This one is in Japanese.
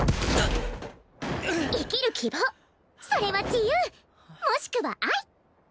生きる希望それは自由もしくは愛！